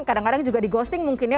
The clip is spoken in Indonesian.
kadang kadang juga di ghosting mungkin ya